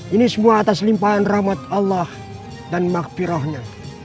ini semua atas limpaan rahmat allah dan maghfirahnya